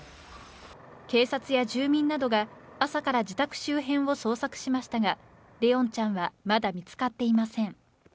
警察や住民などが朝から自宅周辺を捜索しましたが、怜音ちゃんはまだ見つかっていません。